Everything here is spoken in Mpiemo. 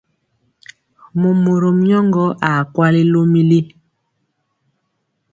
Momorom nyɔŋgɔ aa kwali lomili.